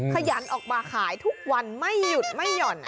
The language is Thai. ขยันออกมาขายทุกวันไม่หยุดไม่หย่อน